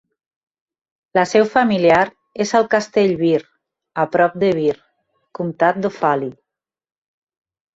La seu familiar és al castell Birr, a prop de Birr, comtat d'Offaly.